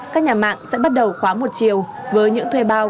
các nhà mạng sẽ bắt đầu khóa một chiều với những thuê bao